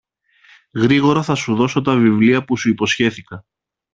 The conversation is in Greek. γρήγορα θα σου δώσω τα βιβλία που σου υποσχέθηκα